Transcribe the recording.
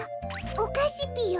おかしぴよ？